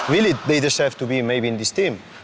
เราไม่มีพวกมันเกี่ยวกับพวกเราแต่เราไม่มีพวกมันเกี่ยวกับพวกเรา